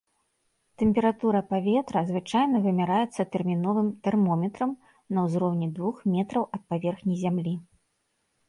Тэмпература паветра звычайна вымяраецца тэрміновым тэрмометрам на ўзроўні двух метраў ад паверхні зямлі.